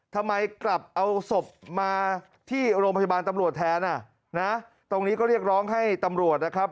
ทำไมกลับเอาศพมาที่โรงพยาบาลตำรวจแทนอ่ะนะตรงนี้ก็เรียกร้องให้ตำรวจนะครับ